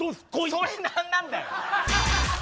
それ何なんだよ。